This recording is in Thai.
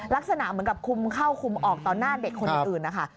ลักษณะเหมือนกับคุมเข้าคุมออกต่อหน้าเด็กคนอื่นนะคะ